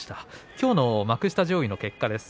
きょうの幕下上位の結果です。